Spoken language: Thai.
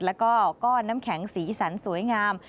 แล้วก็ก้อนน้ำแข็งสีสันสวยงาม